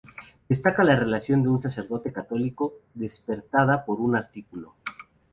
Destaca la reacción de un sacerdote católico despertada por un artículo.